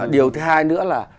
điều thứ hai nữa là